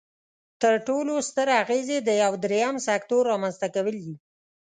تر ټولو ستر اغیز یې د یو دریم سکتور رامینځ ته کول دي.